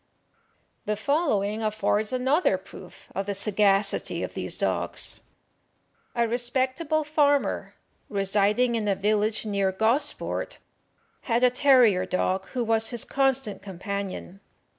The following affords another proof of the sagacity of these dogs: A respectable farmer, residing in a village near Gosport, had a terrier dog who was his constant companion.